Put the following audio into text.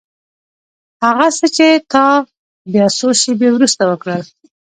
هغه څه چې تا بيا څو شېبې وروسته وکړل.